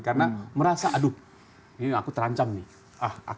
karena merasa aduh ini aku terancam nih